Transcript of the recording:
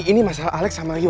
ini masalah alex sama ayu